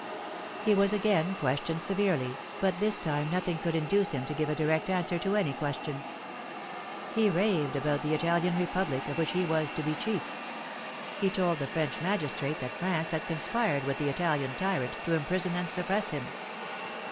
He was again questioned severely, but this time nothing could induce him to give a direct answer to any question. He raved about the Italian Republic, of which he was to be chief. He told the French magistrate that France had conspired with the Italian tyrant to imprison and suppress him.